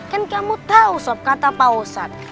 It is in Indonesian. kan kamu tahu sob kata pak osad